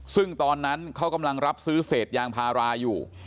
ซึ่งตอนนั้นเขากำลังรับซื้อเศษยางพาราอยู่